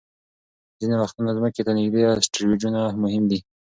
ځینې وختونه ځمکې ته نږدې اسټروېډونه مهم وي.